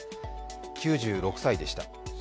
９６歳でした。